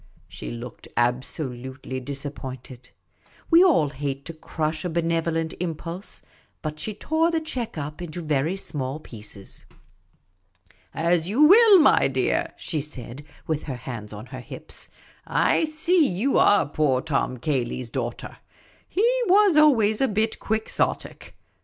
'' She looked absolutely disappointed ; we all hate to crush a benevolent impulse ; but she tore the cheque up into very small pieces. " As you will, my dear," she said, with her hands on her hips ; "I see you are poor Tom Cayley's daughter. He was always a bit Quixotic."